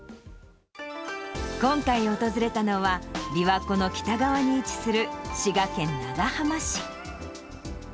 今回訪れたのは、琵琶湖の北側に位置する、滋賀県長浜市。